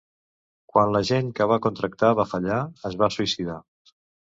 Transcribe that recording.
Quan l'agent que va contractar va fallar, es va suïcidar.